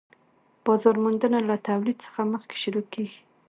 بازار موندنه له تولید څخه مخکې شروع کيږي